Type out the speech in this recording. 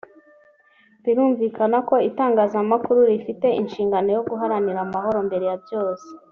Birumvikana ko itangazamakuru rifite n’inshingano yo guharanira amahoro mbere ya byose